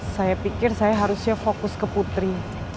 saya pikir saya harusnya fokus ke putri